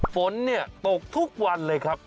ฝนตกทุกวันเลยครับ